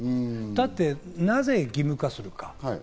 だって、なぜ義務化するか？